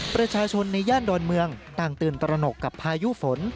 ประชาชนในย่านดอนเมืองต่างตื่นตระหนกกับพายุฝน